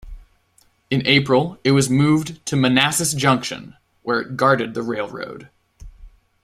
In April, it was moved to Mannassas Junction, where it guarded the railroad.